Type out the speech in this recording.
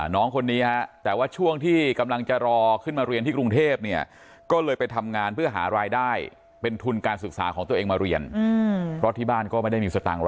น้องคนนี้แต่ว่าช่วงที่กำลังจะรอขึ้นมาเรียนที่กรุงเทพก็เลยไปทำงานเพื่อหารายได้